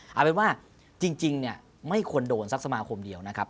เอาเป็นว่าจริงเนี่ยไม่ควรโดนสักสมาคมเดียวนะครับ